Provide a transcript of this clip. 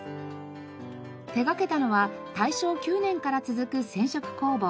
手掛けたのは大正９年から続く染色工房